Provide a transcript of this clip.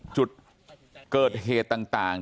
จุดเกิดเหตุต่าง